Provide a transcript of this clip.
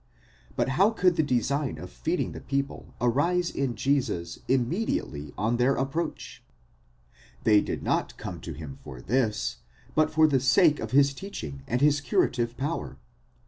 But how could the design of feeding the people arise in Jesus immediately on their approach? They did not come to him for this, but for the sake of his teaching and his curative power.